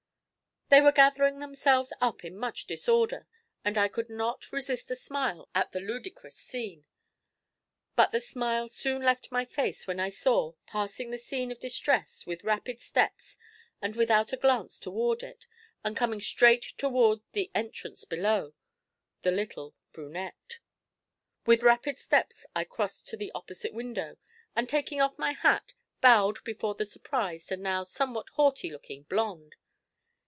They were gathering themselves up in much disorder, and I could not resist a smile at the ludicrous scene; but the smile soon left my face when I saw, passing the scene of distress with rapid steps and without a glance toward it, and coming straight toward the entrance below, the little brunette. With rapid steps I crossed to the opposite window, and, taking off my hat, bowed before the surprised and now somewhat haughty looking blonde.